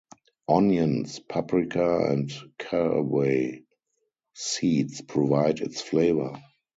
Onions, paprika and caraway seeds provide its flavour.